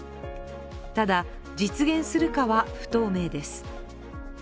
ただ、実現するかは不透明です。